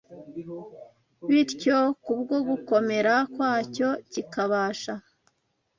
bityo kubwo gukomera kwacyo kikabasha